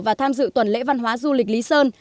và tham dự tuần lễ văn hóa du lịch lý sơn